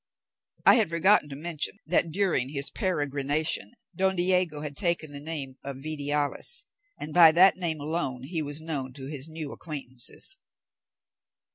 I had forgotten to mention that, during his peregrination, Don Diego had taken the name of Vidiales, and by that name alone he was known to his new acquaintances.